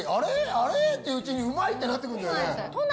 あれ？っていううちにうまいってなってくんだよね都内